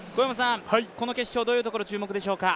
この決勝、どういうところ注目でしょうか。